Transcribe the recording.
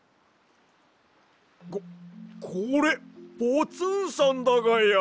ここれポツンさんだがや！